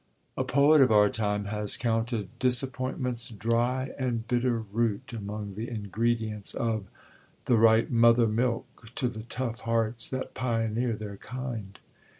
A poet of our time has counted "Disappointment's dry and bitter root" among the ingredients of "the right mother milk to the tough hearts that pioneer their kind."